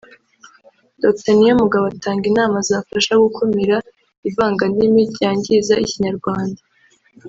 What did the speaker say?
Dr Niyomugabo atanga inama zafasha gukumira ivangandimi ryangiza Ikinyarwanda